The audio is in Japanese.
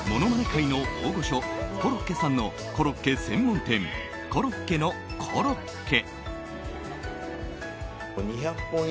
界の大御所コロッケさんのコロッケ専門店コロッケのころっ家。